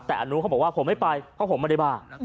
แต่อนุเขาบอกว่าผมไม่ไปเพราะผมไม่ได้บ้า